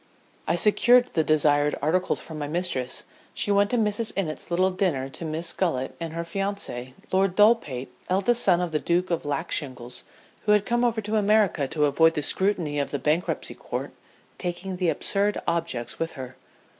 I secured the desired articles for my mistress, and the next evening she went to Mrs. Innitt's little dinner to Miss Gullet and her fiancé, Lord Dullpate, eldest son of the Duke of Lackshingles, who had come over to America to avoid the scrutiny of the Bankruptcy Court, taking the absurd objects with her.